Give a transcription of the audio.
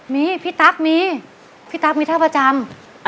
มีพี่ตั๊กมีพี่ตั๊กมีท่าประจำ